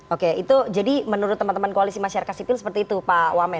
oke itu jadi menurut teman teman koalisi masyarakat sipil seperti itu pak wamen